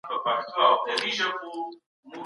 انسانان یوازیني مخلوقات دي چې عاطفي اوښکې تویوي.